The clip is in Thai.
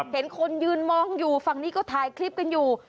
เห็นคนยืนมองอยู่ฝั่งนี้ก็ถ่ายคลิปกันอยู่